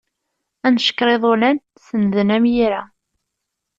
Ad ncekker iḍulan, senden am yira.